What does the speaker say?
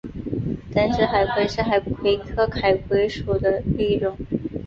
等指海葵是海葵科海葵属的一种。